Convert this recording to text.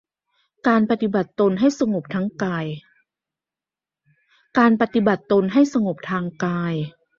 การปฏิบัติตนให้สงบทั้งทางกาย